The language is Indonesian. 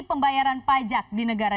pembayaran pajak di negara